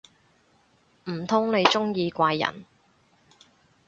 唔通你鍾意怪人